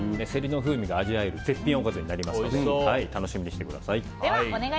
セリの風味が味わえる絶品おかずになりますので楽しみにしてください。